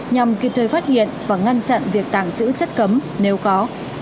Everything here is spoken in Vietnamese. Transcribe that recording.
nhằm kịp thời phát hiện và ngăn chặn việc tàng trữ chất cấm nếu có